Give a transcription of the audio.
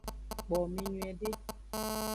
Kpowo me nyuiede.